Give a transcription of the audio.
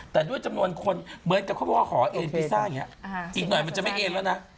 แต่ด้วยจำนวนคนเหมือนคำว่าขอเอนฟิซ่าอีกหน่อยมันจะไม่เองแล้วนะ